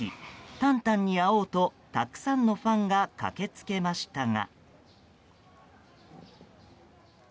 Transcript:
タンタンに会おうと、たくさんのファンが駆け付けましたが。